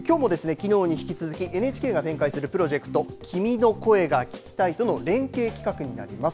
きのうに引き続きＮＨＫが展開するプロジェクト君の声が聴きたいとの連携企画になります。